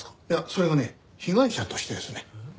いやそれがね被害者としてですね。